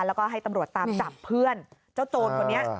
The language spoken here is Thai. แล้วก็ให้ตำรวจตามจับเพื่อนเจ้าโจรคนนี้